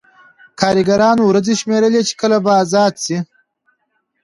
کارګرانو ورځې شمېرلې چې کله به ازاد شي